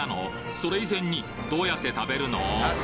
それ以前にどうやって食べるの？